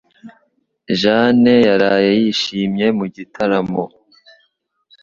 Jane yaraye yishimye mu gitaramo